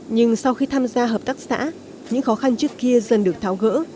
nhưng sau khi tham gia hợp tác xã những khó khăn trước kia dần được tháo gỡ